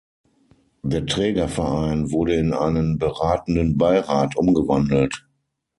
Der Trägerverein wurde in einen beratenden Beirat umgewandelt.